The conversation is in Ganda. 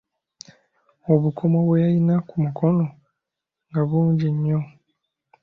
Obukomo bwe yalina ku mukono, nga bungi nnyo!